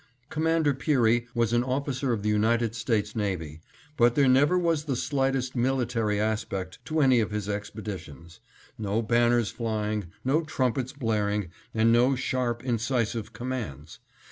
Commander Peary was an officer of the United States Navy, but there never was the slightest military aspect to any of his expeditions. No banners flying, no trumpets blaring, and no sharp, incisive commands.